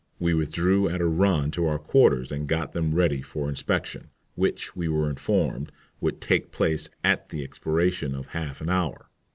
We withdrew at a run to our quarters and got them ready for inspection, which, we were informed, would take place at the expiration of half an hour.